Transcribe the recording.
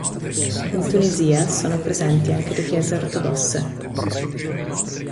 In Tunisia sono presenti anche le Chiese ortodosse.